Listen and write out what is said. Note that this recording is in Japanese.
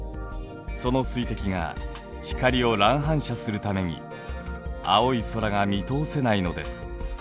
その水滴が光を乱反射するために青い空が見通せないのです。